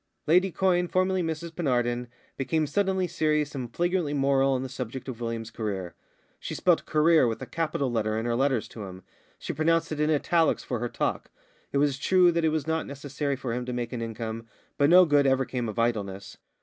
Lady Quyne, formerly Mrs Penarden, became suddenly serious and flagrantly moral on the subject of William's career. She spelt career with a capital letter in her letters to him; she pronounced it in italics in her talk. It was true that it was not necessary for him to make an income, but no good ever came of idleness.